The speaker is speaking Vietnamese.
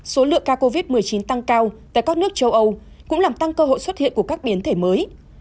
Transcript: số lượng ca covid một mươi chín tăng cao tại các nước châu âu cũng làm tăng cơ hội xuất hiện của các biến thể mới